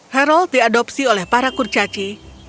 hairold diadopsi oleh para kurcaci